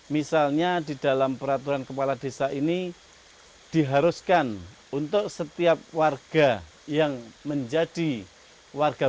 misalnya di dalam peraturan kepala desa ini diharuskan untuk setiap warga yang menjadi warga